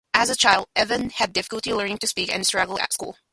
As a child, Evans had difficulty learning to speak and struggled at school.